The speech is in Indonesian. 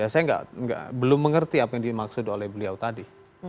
saya belum mengerti apa yang dimaksud oleh beliau tadi